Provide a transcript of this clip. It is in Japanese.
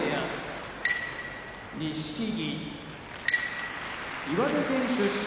錦木岩手県出身